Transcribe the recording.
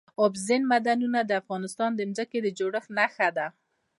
اوبزین معدنونه د افغانستان د ځمکې د جوړښت نښه ده.